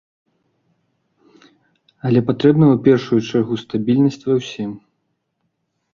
Але патрэбная ў першую чаргу стабільнасць ва ўсім.